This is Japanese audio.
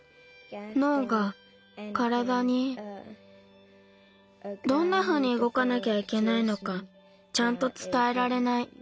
のうがからだにどんなふうにうごかなきゃいけないのかちゃんとつたえられない。